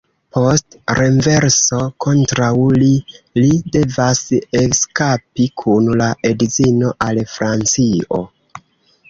Post renverso kontraŭ li, li devas eskapi kun la edzino al Francio.